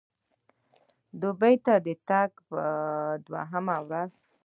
دوبۍ ته د راتګ په دوهمه ورځ.